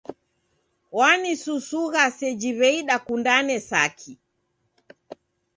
Wanisusuga seji w'ei dakundane saki!